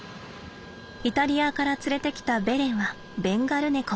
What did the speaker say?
イタリアから連れてきたベレンはベンガル猫。